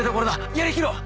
やり切ろう！